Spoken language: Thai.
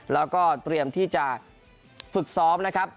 แล้วก็เตรียมที่จะฝึกซ้อมนะครับ